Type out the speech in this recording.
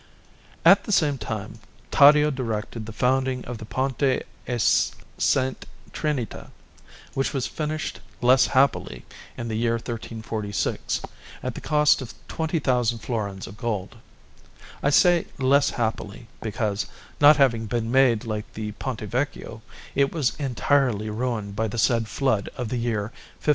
At the same time Taddeo directed the founding of the Ponte a S. Trinita, which was finished less happily in the year 1346, at the cost of twenty thousand florins of gold; I say less happily, because, not having been made like the Ponte Vecchio, it was entirely ruined by the said flood of the year 1557.